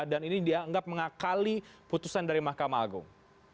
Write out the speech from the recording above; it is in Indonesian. dan ini dianggap mengakali putusan dari mahkamah agung